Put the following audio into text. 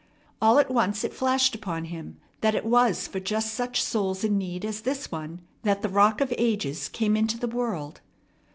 All at once it flashed upon him that it was for just such souls in need as this one that the Rock of Ages came into the world.